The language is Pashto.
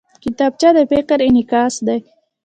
کتابچه د فکر انعکاس دی